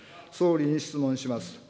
総理に質問します。